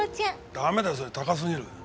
ダメだよそれ高すぎる。